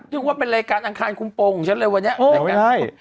ชื่อว่าเป็นรายการอังคารคุมโปงของฉันเลยวันนี้